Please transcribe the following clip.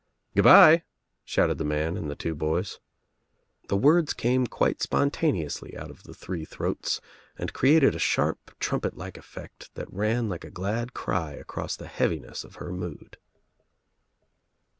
"Good bye !" shouted the man and the two boys. The words came quite spontaneously out of the three throats and created a sharp trumpet like effect that rang like a glad cry across the heaviness of her mood.